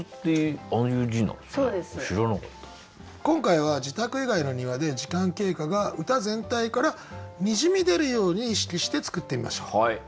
今回は自宅以外の庭で時間経過が歌全体からにじみ出るように意識して作ってみましょう。